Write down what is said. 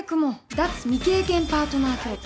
脱・未経験パートナー協定。